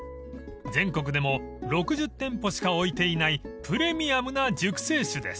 ［全国でも６０店舗しか置いていないプレミアムな熟成酒です］